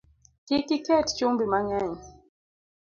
Kik iket chumbi mang’eny